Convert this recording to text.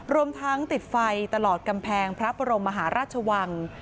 รวมทั้งติดไฟตลอดกำแพงพระบรมมหาราชวัง